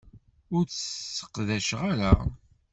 Ur tt-tesseqdac ara.